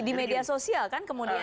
di media sosial kan kemudian